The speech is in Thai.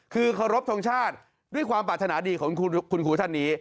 คือเคารพทรงชาติด้วยความปรารถนาดีของคุณครูท่านนี้